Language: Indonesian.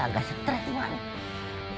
kagak stress mbak